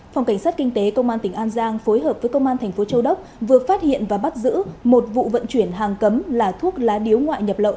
phòng cảnh sát kinh tế công an tỉnh an giang phối hợp với công an thành phố châu đốc vừa phát hiện và bắt giữ một vụ vận chuyển hàng cấm là thuốc lá điếu ngoại nhập lậu